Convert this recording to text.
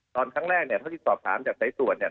ตอนครั้งแรกเนี่ยถ้าติดสอบตามจากไซท์ส่วนเนี่ย